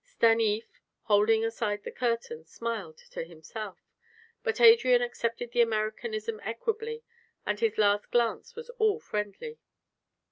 Stanief, holding aside the curtain, smiled to himself; but Adrian accepted the Americanism equably and his last glance was all friendly.